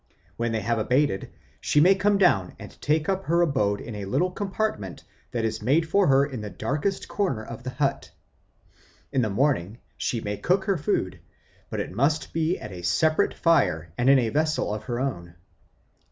When they have abated, she may come down and take up her abode in a little compartment that is made for her in the darkest corner of the hut. In the morning she may cook her food, but it must be at a separate fire and in a vessel of her own.